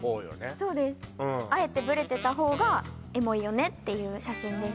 そうですあえてブレてた方がエモいよねっていう写真です